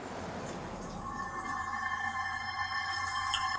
منځه وړلو ترڅنګ، قومي او ژبني برتري ترويج سي.